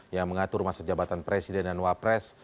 yang mengatur masa jabatan presiden dan wapres